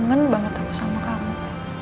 aku janji aku akan jadi istri yang black punya anda